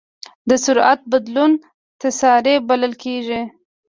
د سرعت بدلون تسارع بلل کېږي.